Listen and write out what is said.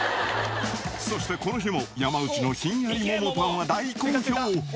そしてこの日も山内のひんやり桃パンは大好評。